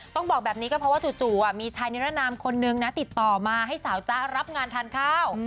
ต้องบอกแบบนี้ก็เพราะว่าจู่มีชายนิรนามคนนึงนะติดต่อมาให้สาวจ๊ะรับงานทานข้าว